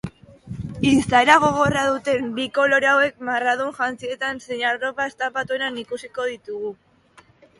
Izaera gogorra duten bi kolore hauek marradun jantzietan zein arropa estanpatuetan ikusiko ditugu.